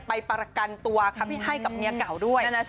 ไปปรากันตัวให้กับเมียเก่าด้วย